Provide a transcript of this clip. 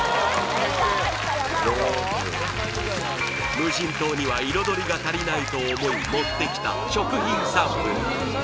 無人島には彩りが足りないと思い持ってきた食品サンプル